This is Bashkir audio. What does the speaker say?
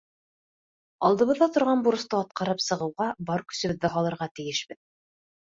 Алдыбыҙҙа торған бурысты атҡарып сығыуға бар көсөбөҙҙө һалырға тейешбеҙ.